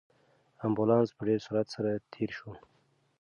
امبولانس په ډېر سرعت سره تېر شو.